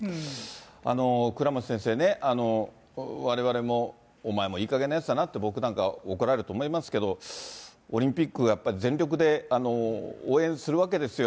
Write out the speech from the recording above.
倉持先生ね、われわれもお前もいいかげんなやつだなって僕なんかは怒られると思いますが、オリンピックはやっぱり全力で応援するわけですよ。